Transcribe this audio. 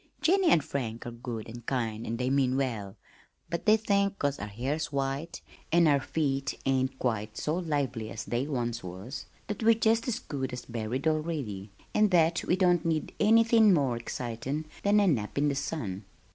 Jennie an' Frank are good an' kind an' they mean well, but they think 'cause our hair's white an' our feet ain't quite so lively as they once was, that we're jest as good as buried already, an' that we don't need anythin' more excitin' than a nap in the sun.